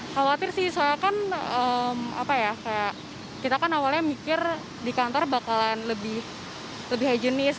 khawatir sih soalnya kan kita kan awalnya mikir di kantor bakalan lebih hajinis